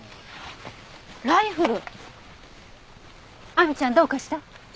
亜美ちゃんどうかした？